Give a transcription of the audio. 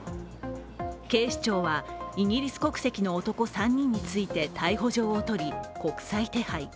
警視庁はイギリス国籍の男３人について逮捕状を取り、国際手配。